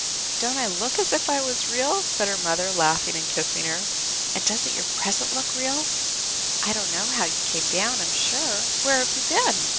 "Don't I look as if I was real?" said her mother, laughing and kissing her. "And doesn't your present look real? I don't know how you came down, I'm sure. Where have you been?"